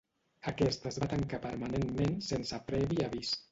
Aquest es va tancar permanentment sense previ avís.